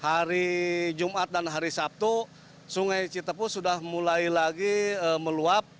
hari jumat dan hari sabtu sungai citepus sudah mulai lagi meluap